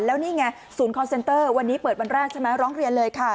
แล้วนี่ไงศูนย์คอนเซนเตอร์วันนี้เปิดวันแรกใช่ไหมร้องเรียนเลยค่ะ